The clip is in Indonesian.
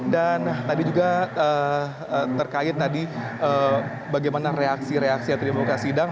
dan tadi juga terkait tadi bagaimana reaksi reaksi yang terjadi di buka sidang